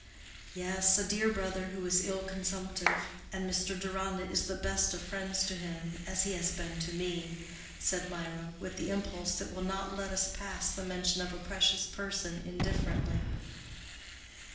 "Yes, a dear brother who is ill—consumptive, and Mr. Deronda is the best of friends to him, as he has been to me," said Mirah, with the impulse that will not let us pass the mention of a precious person indifferently.